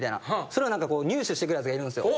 それを入手してくるやつがいるんすよ。